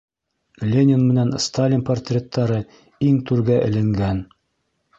Ленин менән Сталин портреттары иң түргә эленгән.